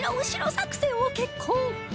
作戦を決行